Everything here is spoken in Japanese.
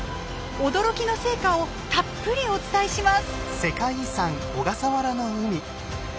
驚きの成果をたっぷりお伝えします！